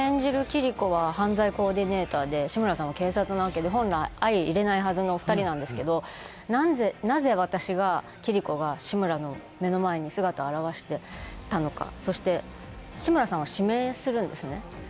キリコは犯罪コーディネーターで志村さんは警察なわけなので、本来、相いれないはずの２人なんですが、なぜ私、キリコが志村の目の前に姿を現したのか、そして志村さんを指名するんですね。